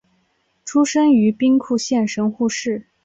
出身于兵库县神户市。